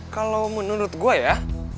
kalau menurut gue ya